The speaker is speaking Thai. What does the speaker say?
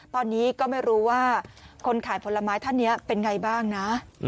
ตอนนี้ก็ไม่รู้ว่าคนขายผลไม้ท่านนี้เป็นไงบ้างนะ